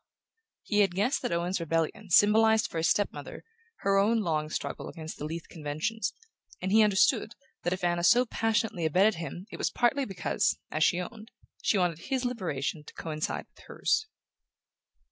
He had guessed that Owen's rebellion symbolized for his step mother her own long struggle against the Leath conventions, and he understood that if Anna so passionately abetted him it was partly because, as she owned, she wanted his liberation to coincide with hers.